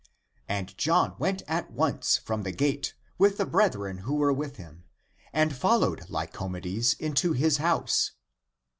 And John went at once from the gate with the brethren who were with him, and followed Lycomedes into his house.